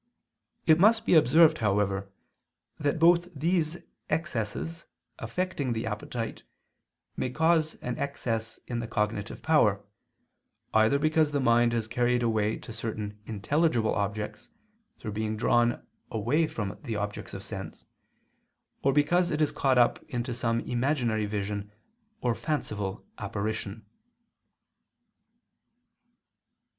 It must be observed, however, that both these excesses affecting the appetite may cause an excess in the cognitive power, either because the mind is carried away to certain intelligible objects, through being drawn away from objects of sense, or because it is caught up into some imaginary vision or fanciful apparition.